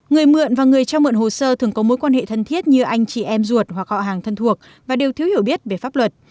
người mượn và người trao mượn hồ sơ thường có mối quan hệ thân thiết như anh chị em ruột hoặc họ hàng thân thuộc và đều thiếu hiểu biết về pháp luật